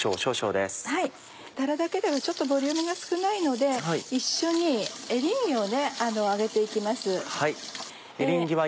たらだけではちょっとボリュームが少ないので一緒にエリンギを揚げて行きます。